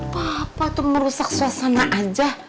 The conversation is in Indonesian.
papa itu merusak suasana aja